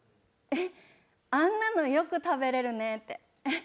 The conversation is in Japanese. えっ「あんなのよく食べれるね」って。